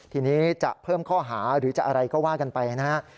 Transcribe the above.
ทีนี้จะเพิ่มข้อหาหรือจะอะไรก็ว่ากันไปนะฮะ